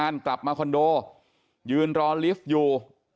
กลับมาคอนโดยืนรอลิฟต์อยู่